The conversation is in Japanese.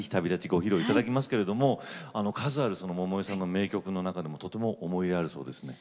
ご披露頂きますけれども数ある百恵さんの名曲の中でもとても思い入れがあるそうですね。